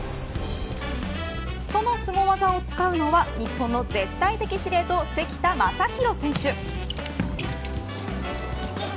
そのすご技を使うのは日本の絶対的司令塔関田誠大選手。